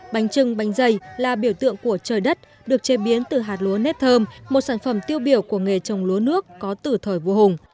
bánh trưng bánh dày là biểu tượng của trời đất được chế biến từ hạt lúa nếp thơm một sản phẩm tiêu biểu của nghề trồng lúa nước có từ thời vua hùng